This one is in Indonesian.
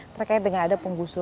terkait dengan ada penggusuhan